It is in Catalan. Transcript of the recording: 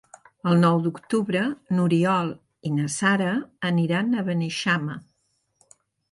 El nou d'octubre n'Oriol i na Sara aniran a Beneixama.